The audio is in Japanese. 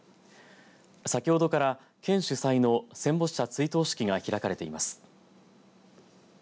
先ほどから、県主催の戦没者追悼式が開かれています。